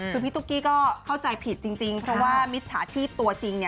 คือพี่ตุ๊กกี้ก็เข้าใจผิดจริงเพราะว่ามิจฉาชีพตัวจริง